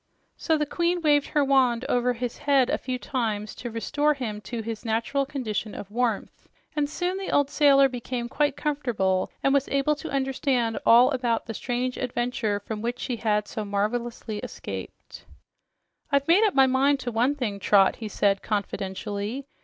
So the queen waved her wand over his head a few times to restore him to his natural condition of warmth, and soon the old sailor became quite comfortable and was able to understand all about the strange adventure from which he had so marvelously escaped. "I've made up my mind to one thing, Trot," he said confidentially.